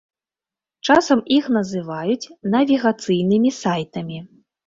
Часам іх называюць навігацыйнымі сайтамі.